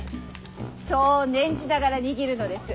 そう念じながら握るのです。